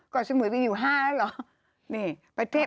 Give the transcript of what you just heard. สมุยไปอยู่๕แล้วเหรอ